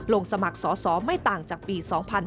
สมัครสอสอไม่ต่างจากปี๒๕๕๙